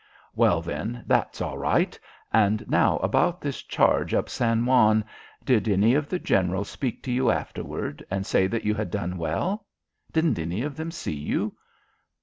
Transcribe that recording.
"Well, then, that's all right. And now about this charge up San Juan? Did any of the Generals speak to you afterward and say that you had done well? Didn't any of them see you?"